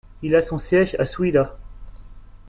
Il a son siège à Soueïda.